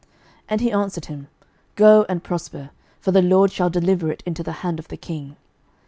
And he answered him, Go, and prosper: for the LORD shall deliver it into the hand of the king.